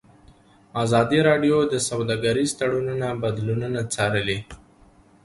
ازادي راډیو د سوداګریز تړونونه بدلونونه څارلي.